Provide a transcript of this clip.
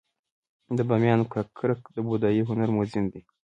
د بامیانو ککرک د بودايي هنر موزیم دی